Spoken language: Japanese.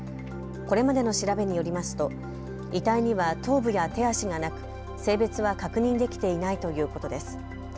これまでの調べによりますと遺体には頭部や手足がなく性別は確認できていないということです。